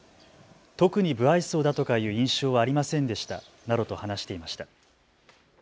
特に無愛想だとかいう印象はありませんでしたなどと話していました。